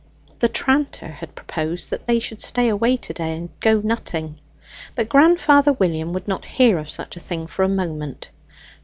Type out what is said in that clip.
The tranter had proposed that they should stay away to day and go nutting, but grandfather William would not hear of such a thing for a moment.